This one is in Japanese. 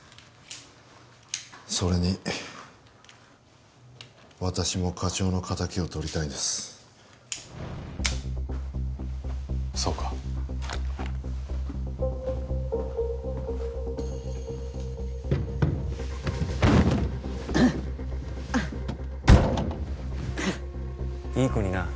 それに私も課長の敵を取りたいんですそうかうっうっうっ